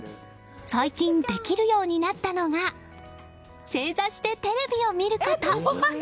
最近、できるようになったのが正座してテレビを見ること。